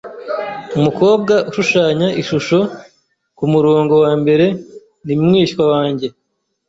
Umukobwa ushushanya ishusho kumurongo wambere ni mwishywa wanjye.